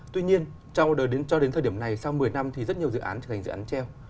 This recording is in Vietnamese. tuy nhiên cho đến thời điểm này sau một mươi năm thì rất nhiều dự án trở thành dự án treo